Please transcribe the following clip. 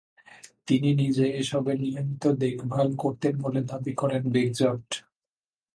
তিনি নিজে এসবের নিয়মিত দেখভাল করতেন বলে দাবি করেন বেক্সট।